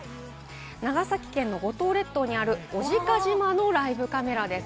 長崎県の五島列島にある小値賀島のライブカメラです。